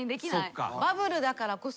バブルだからこそ。